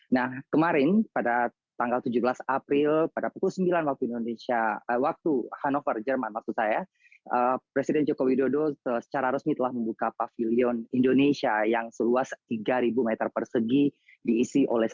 nah kemarin pada tanggal tujuh belas april pada pukul sembilan waktu indonesia waktu hanover jerman maksud saya presiden jokowi dodo secara resmi telah membuka pavilion indonesia yang seluas tiga ribu meter persegi diisi oleh satu ratus lima puluh